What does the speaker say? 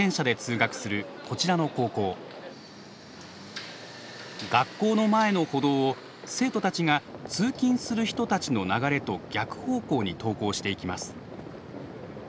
学校の前の歩道を生徒たちが通勤する人たちの流れと逆方向に登校していきます。